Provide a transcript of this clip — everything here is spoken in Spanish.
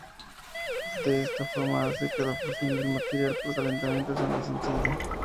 De esta forma hace que la fusión del material por calentamiento sea más sencilla.